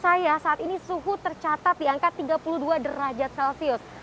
saya saat ini suhu tercatat di angka tiga puluh dua derajat celcius